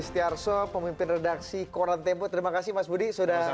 terima kasih mas budi